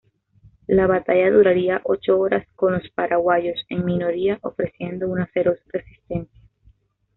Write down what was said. La batalla duraría ocho horas, con los paraguayos, en minoría, ofreciendo una feroz resistencia.